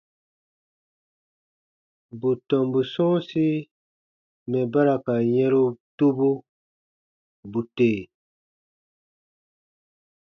Bù tɔmbu sɔ̃ɔsi mɛ̀ ba ra ka yɛ̃ru tubu, bù tè.